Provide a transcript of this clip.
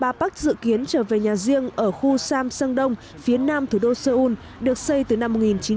bà park dự kiến trở về nhà riêng ở khu sam sang đông phía nam thủ đô seoul được xây từ năm một nghìn chín trăm tám mươi ba